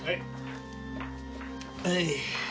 はい。